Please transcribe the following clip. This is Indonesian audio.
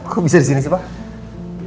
kok bisa disini sih pak